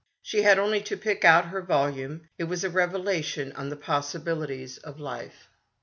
She had only to pick out her volume. It was a revelation in the possibilities of life.